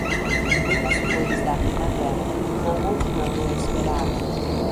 Muitas flores da primavera, bom outono esperar.